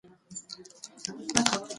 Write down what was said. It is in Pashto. زنا د تباهۍ او رسوایۍ لاره ده.